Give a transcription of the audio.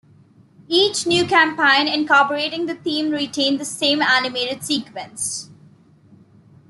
Each new campaign incorporating the theme retained the same animated sequence.